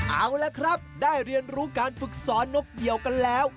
เอาละครับได้เรียนรู้การฝึกสอนนกเดี่ยวกันแล้ว